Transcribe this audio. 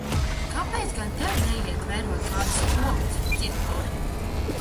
Kāpēc gan tev neiet vērot kādus spokus, cietpauri?